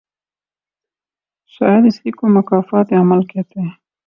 شاید اسی کو مکافات عمل کہتے ہیں۔